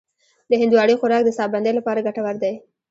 د هندواڼې خوراک د ساه بندۍ لپاره ګټور دی.